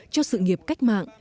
cho sự nghiệp cách mạng